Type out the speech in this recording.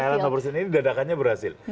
silent operation ini dadakannya berhasil